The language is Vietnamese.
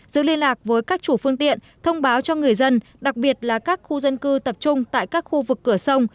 giữ liên lạc với các chủ phương tiện thông báo cho người dân đặc biệt là các khu dân cư tập trung tại các khu vực cửa sông